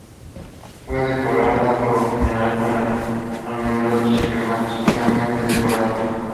Fue decorada por lo general con almenados y remates finamente decorados.